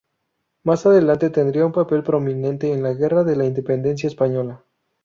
Más adelante tendría un papel prominente en la Guerra de la Independencia Española.